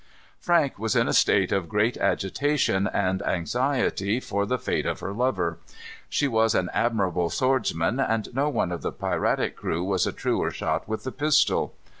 Frank was in a state of great agitation and anxiety for the fate of her lover. She was an admirable swordsman, and no one of the piratic crew was a truer shot with the pistol.